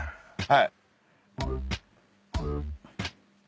はい。